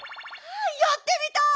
やってみたい！